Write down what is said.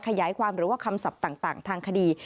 ขยายความหรือว่าคำศัพท์ต่างทางคดี